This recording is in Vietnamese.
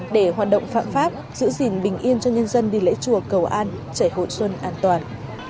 để hoạt động phạm pháp giữ gìn bình yên cho nhân dân đi lễ chùa cầu an chảy hội xuân an toàn